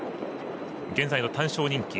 現在の単勝人気。